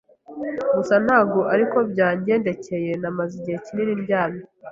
gusa ntago ari ko byangendekeye, namaze igihe kinini ndyamye